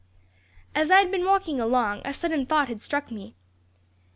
"As I had been walking along, a sudden thought had struck me.